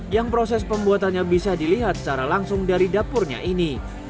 yang proses pembuatannya bisa dilihat secara langsung dari dapurnya ini